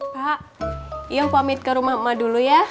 pak iya aku ambil ke rumah emak dulu ya